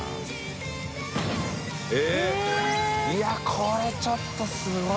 これちょっとすごいな。